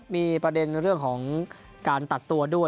มีประเด็นเรื่องของการตัดตัวด้วย